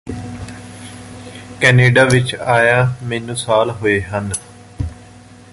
Canada ਵਿੱਚ ਆਇਆ ਮੈਨੂੰ ਸਾਲ ਹੋਏ ਹਨ